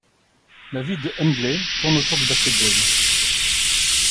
La vie de Hundley tourne autour du basket-ball.